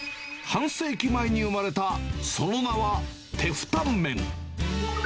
半世紀前に生まれたその名はテフタンメン。